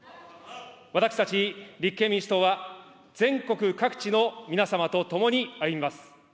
私たち立憲民主党は、全国各地の皆様と共に歩みます。